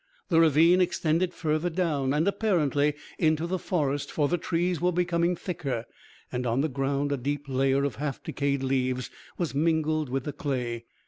The ravine extended further down, and apparently into the forest, for the trees were becoming thicker, and on the ground a deep layer of half decayed leaves was mingled with the clay.